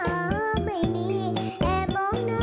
น้ำตาตกโคให้มีโชคเมียรสิเราเคยคบกันเหอะน้ำตาตกโคให้มีโชค